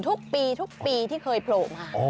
ทุกปีทุกปีที่เคยโผล่มา